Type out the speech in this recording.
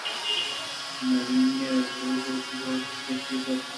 نریان ئِے زورت ءُ بورتاچی ءَ شُت